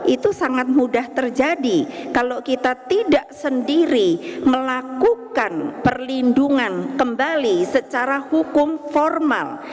itu sangat mudah terjadi kalau kita tidak sendiri melakukan perlindungan kembali secara hukum formal